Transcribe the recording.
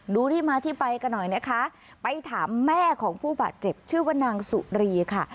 ดูที่มาที่ไปกันหน่อยนะคะไปถามแม่ของผู้บาดเจ็บชื่อว่านางสุรีค่ะ